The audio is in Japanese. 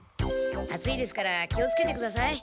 熱いですから気をつけてください。